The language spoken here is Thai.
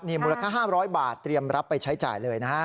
มูลค่า๕๐๐บาทเตรียมรับไปใช้จ่ายเลยนะฮะ